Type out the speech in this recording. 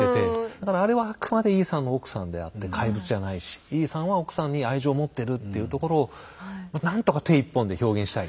だからあれはあくまでイーサンの奥さんであって怪物じゃないしイーサンは奥さんに愛情を持ってるっていうところをまあ何とか手１本で表現したい。